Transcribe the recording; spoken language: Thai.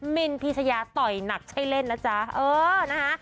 มินพีชยาต่อยหนักใช่เล่นนะจ๊ะเออนะคะ